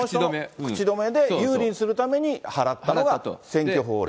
この人に口止めで、有利にするために払ったのが選挙法令。